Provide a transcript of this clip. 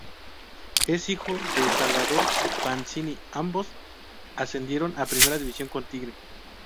Es hijo de Salvador Pasini, ambos ascendieron a Primera División con Tigre.